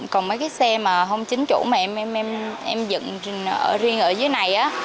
còn mấy cái xe mà không chính chủ mà em dựng riêng ở dưới này